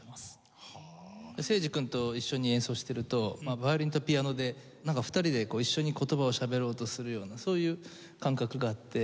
誠司君と一緒に演奏してるとヴァイオリンとピアノでなんか２人で一緒に言葉を喋ろうとするようなそういう感覚があって。